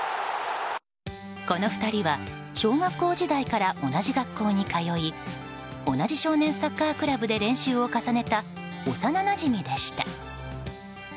この２人は小学校時代から同じ学校に通い同じ少年サッカークラブで練習を重ねた幼なじみでした。